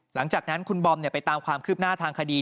หลังจากนั้นคุณบอมไปตามความคืบหน้าทางคดี